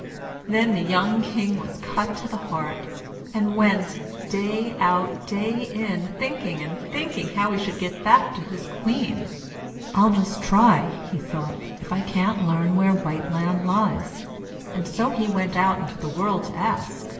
Then the young King was cut to the heart, and went, day out day in, thinking and thinking how he should get back to his Queen. "I'll just try," he thought, "if I can't learn where Whiteland lies;" and so he went out into the world to ask.